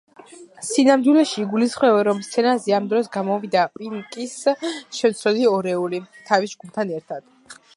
სინამდვილეში, იგულისხმება, რომ სცენაზე ამ დროს გამოვიდა პინკის შემცვლელი ორეული, თავის ჯგუფთან ერთად.